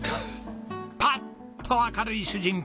パッと明るい主人公